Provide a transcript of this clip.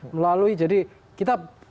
melalui jadi kita